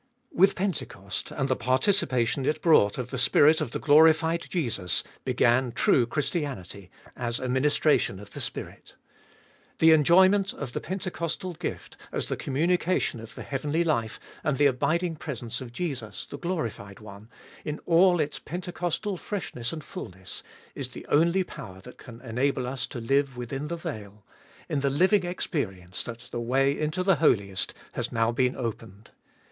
With Pentecost, and the participation it brought of the Spirit of the glorified Jesus, began true Christianity, as a ministration of the Spirit. The enjoyment of the Pentecostal gift, as the communication of the heavenly life and the abiding presence of Jesus the glorified One, in all its Pentecostal freshness and fulness, is the only power that can enable us to live within the veil, in the living experience that the way into the Holiest has now been opened.